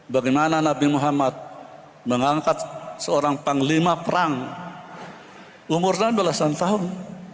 bagaimana nabi muhammad mengangkat seorang panglima perang umur enam belasan tahun